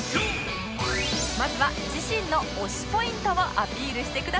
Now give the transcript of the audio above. まずは自身の推しポイントをアピールしてください